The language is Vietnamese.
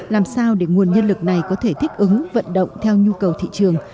làm sao để nguồn nhân lực này có thể thích ứng vận động theo nhu cầu thị trường